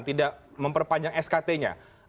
tidak memperpanjang skt nya